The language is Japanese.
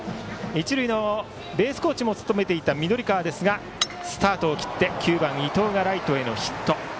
一塁のベースコーチも務めていた緑川ですがスタートを切って９番、伊藤がライトへのヒット。